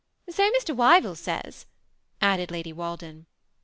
" So Mr. Wyvill says," added Lady Walden.